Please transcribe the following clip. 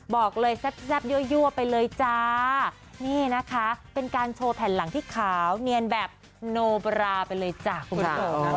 บอกเลยแซ่บยั่วไปเลยจ้านี่นะคะเป็นการโชว์แผ่นหลังที่ขาวเนียนแบบโนบราไปเลยจ้ะคุณผู้ชม